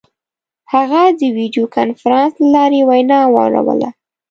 هغه د ویډیو کنفرانس له لارې وینا واوروله.